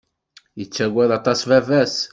Yettaggad aṭas baba-s.